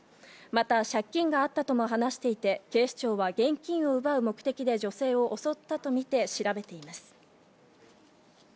また、借金があったとも話していて、警視庁は現金を奪う目的で女性を襲ったと見て調べています。